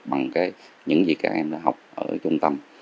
bằng những gì các em đã học ở trung tâm